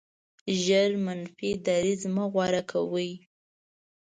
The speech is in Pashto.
ژر منفي دریځ مه غوره کوئ.